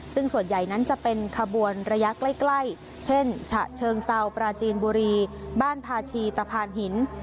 ซึ่งส่วนใหญ่นั้นจะเป็นขบวนระยะใกล้เช่นฉะเชิงเซาปราจีนบุรีบ้านพาชีตะพานหิน